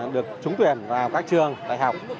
được trúng tuyển vào các trường đại học